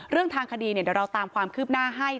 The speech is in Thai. เรื่องทางคดีเดี๋ยวเราตามความคืบหน้าให้